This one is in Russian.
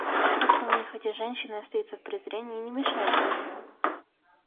Как-то у них эти женщины остаются в презрении и не мешают семье.